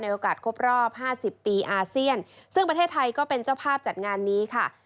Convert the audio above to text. โอกาสครบรอบห้าสิบปีอาเซียนซึ่งประเทศไทยก็เป็นเจ้าภาพจัดงานนี้ค่ะ